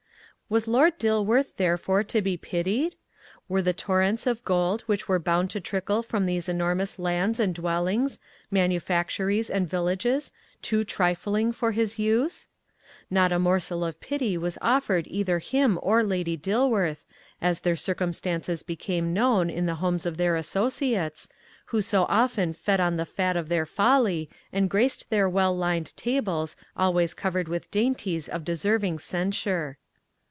Was Lord Dilworth therefore to be pitied? Were the torrents of gold which were bound to trickle from these enormous lands and dwellings, manufactories and villages, too trifling for his use? Not a morsel of pity was offered either him or Lady Dilworth as their circumstances became known in the homes of their associates, who so often fed on the fat of their folly and graced their well lined tables always covered with dainties of deserving censure.